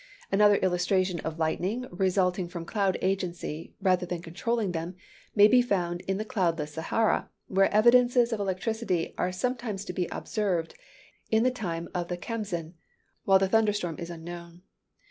Another illustration of lightning resulting from cloud agency, rather than controlling them, may be found in the cloudless Sahara, where evidences of electricity are sometimes to be observed in the time of the Khamsin, while the thunder storm is unknown.